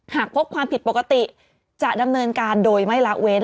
หากพบความผิดปกติจะดำเนินการโดยไม่ละเว้น